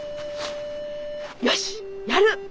よしやる！